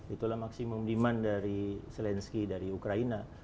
itulah maksimum demand dari zelensky dari ukraina